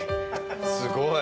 すごい！